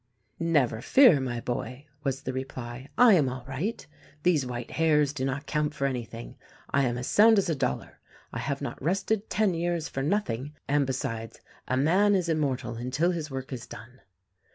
"Never fear, my boy," was the reply, "I am all right! These white hairs do not count for anything. I am as sound as a dollar. I have not rested ten years for nothing. And, besides, 'a man is immortal until his work is done.'